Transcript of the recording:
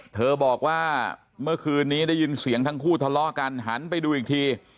เธอบอกว่าเมื่อคืนนี้ได้ยินเสียงทั้งคู่ทะเลาะกันหันไปดูอีกที